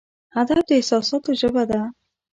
ادب د احساساتو ژبه ده.